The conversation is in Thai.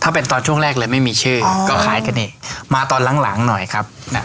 ถ้าเป็นตอนช่วงแรกเลยไม่มีชื่อก็คล้ายกันนี่มาตอนหลังหน่อยครับ